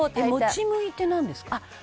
「もち麦ってなんですか？」